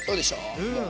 うん！